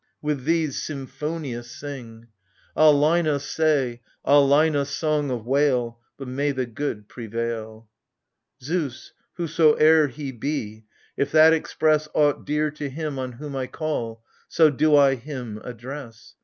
AVith these, symphonious, sing — AGAMEMNON. IS Ah, Linos, say— ah, Linos, song of wail ! But may the good prevail ! Zeus, whosoe'er he be, — if that express Aught dear to him on whom I call — So do I him address.